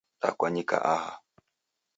Dakwanyika aha